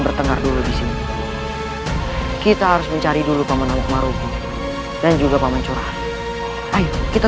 bertengkar dulu di sini kita harus mencari dulu pemenang dan juga paman curah ayo kita